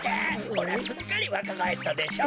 ほらすっかりわかがえったでしょ？